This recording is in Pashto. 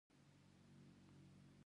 د زړه د روغتیا لپاره اومیګا تري وکاروئ